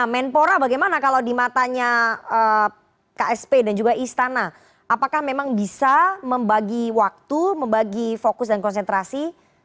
menpora bagaimana kalau di matanya ksp dan juga istana apakah memang bisa membagi waktu membagi fokus dan konsentrasi